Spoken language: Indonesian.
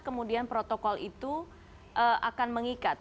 kemudian protokol itu akan mengikat